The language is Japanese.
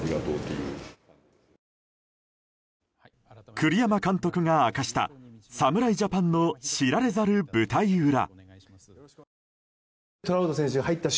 栗山監督が明かした侍ジャパンの知られざる舞台裏。